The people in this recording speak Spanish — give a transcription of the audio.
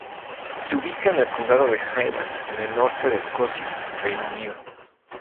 Se ubica en el condado de Highland, en el norte de Escocia, Reino Unido.